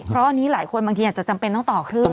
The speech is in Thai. เพราะอันนี้หลายคนบางทีอาจจะจำเป็นต้องต่อเครื่อง